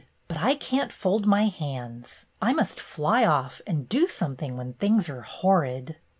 But I can't fold my hands. I must fly off and do something when things are horrid."